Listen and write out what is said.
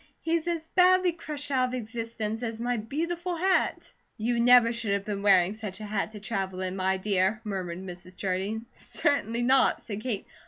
He's as badly crushed out of existence as my beautiful hat." "You never should have been wearing such a hat to travel in, my dear," murmured Mrs. Jardine. "Certainly not!" said Kate.